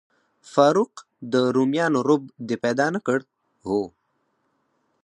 فاروق، د روميانو رب دې پیدا نه کړ؟ هو.